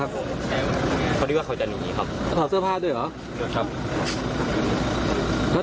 เพราะสิว่าเขาจะหนีครับหัวเสื้อผ้าด้วยเหรอครับ